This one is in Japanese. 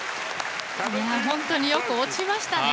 本当によく落ちましたね。